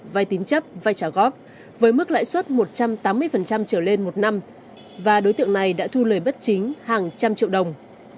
vai tín chấp vai trả góp với mức lãi suất một trăm tám mươi trở lên một năm và đối tượng này đã thu lời bất chính hàng trăm triệu đồng